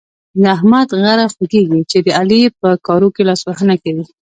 د احمد غره خوږېږي چې د علي په کارو کې لاسوهنه کوي.